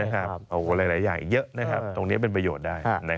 หลายอย่างเยอะนะครับตรงนี้เป็นประโยชน์ได้